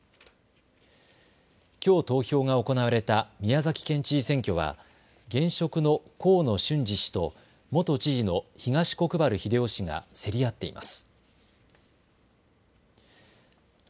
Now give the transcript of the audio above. きょう投票が行われた宮崎県知事選挙は現職の河野俊嗣氏と元知事の東国原英夫氏が競り合っています。